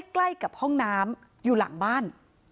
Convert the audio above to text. ใกล้กับห้องน้ำอยู่หลังบ้าน